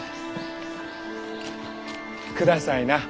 くださいな。